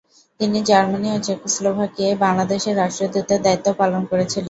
তিনি জার্মানি ও চেকোস্লোভাকিয়ায় বাংলাদেশের রাষ্ট্রদূতের দায়িত্বও পালন করেছিলেন।